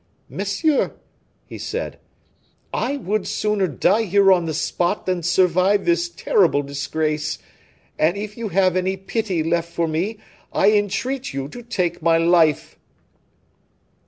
"Monsieur," he said, "I would sooner die here on the spot than survive this terrible disgrace; and if you have any pity left for me, I entreat you to take my life."